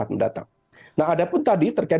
mendatang nah ada pun tadi terkait